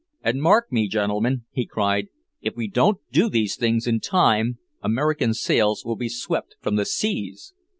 "And mark me, gentlemen," he cried. "If we don't do these things in time American sails will be swept from the seas!"